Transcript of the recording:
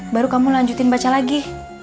baru kamu lanjutin baca lagi